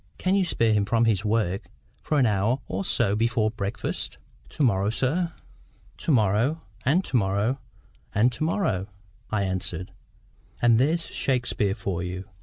Can you spare him from his work for an hour or so before breakfast?" "To morrow, sir?" "To morrow, and to morrow, and to morrow," I answered; "and there's Shakespeare for you."